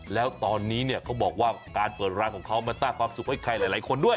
แล้วตอนนี้เนี่ยเขาบอกว่าการเปิดร้านของเขามาสร้างความสุขให้ใครหลายคนด้วย